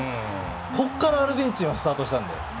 ここからアルゼンチンはスタートしたので。